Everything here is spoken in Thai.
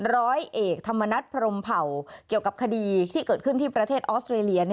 ร้อยเอกธรรมนัฐพรมเผ่าเกี่ยวกับคดีที่เกิดขึ้นที่ประเทศออสเตรเลีย